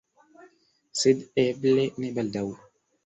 Sed eble, ne baldaŭ.